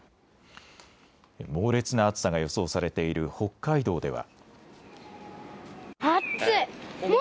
猛烈な暑さが予想されている北海道では。